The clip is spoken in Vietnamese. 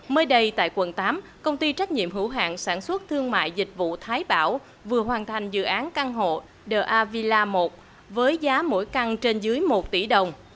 mới đây tại quận tám công ty trách nhiệm hữu hạng sản xuất thương mại dịch vụ thái bảo vừa hoàn thành dự án căn hộ davila một với giá mỗi căn trên dưới một tỷ đồng